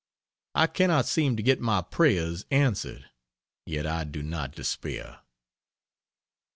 I cannot seem to get my prayers answered, yet I do not despair.